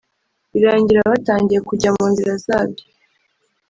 birangira watangiye kujya mu nzira zabyo